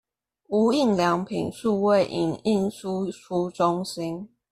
無印良品數位影印輸出中心